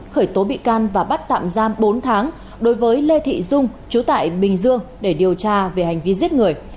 khởi tố bị can và bắt tạm giam bốn tháng đối với lê thị dung chú tại bình dương để điều tra về hành vi giết người